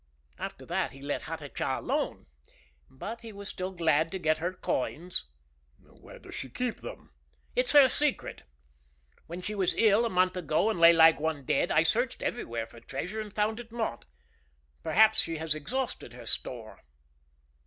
After that he let Hatatcha alone, but he was still glad to get her coins." "Where does she keep them?" "It is her secret. When she was ill, a month ago, and lay like one dead, I searched everywhere for treasure and found it not. Perhaps she has exhausted her store."